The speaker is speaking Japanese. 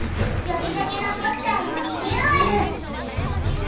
呼びかけのポスターもリニューアルいい！